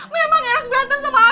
memang eros berantem sama akemet